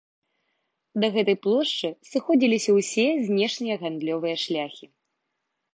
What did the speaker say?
Да гэтай плошчы сыходзіліся ўсе знешнія гандлёвыя шляхі.